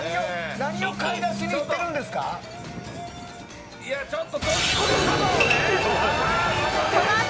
何を買い出しに行ってるんでいやちょっと。